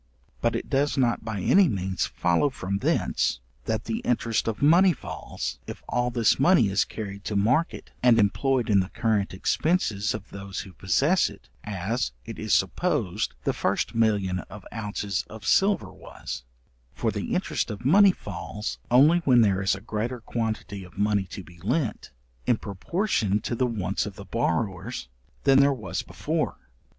But it does not by any means follow from thence, that the interest of money falls, if all this money is carried to market, and employed in the current expences of those who possess it, as it is supposed the first million of ounces of silver was; for the interest of money falls only when there is a greater quantity of money to be lent, in proportion to the wants of the borrowers, than there was before.